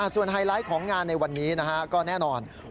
ส่วนไฮไลท์ของงานในวันนี้ก็แน่นอน